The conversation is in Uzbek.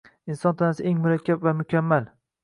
Inson tanasi eng murakkab va mukammal